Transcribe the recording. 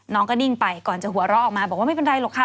น้องก็นิ่งไปก่อนจะหัวเราะออกมาบอกว่าไม่เป็นไรหรอกค่ะ